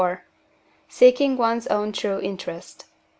seeking one's own true interest.